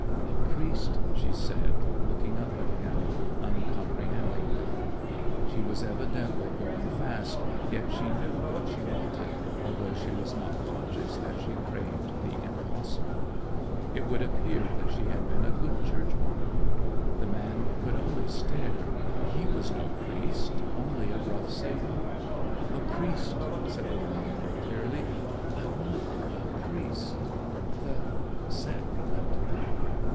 "A priest," she said, looking up at him uncomprehendingly. She was evidently going fast yet she knew what she wanted although she was not conscious that she craved the impossible. It would appear that she had been a good churchwoman. The man could only stare. He was no priest, only a rough sailor. "A priest," said the woman more clearly. "I want a priest the sacrament."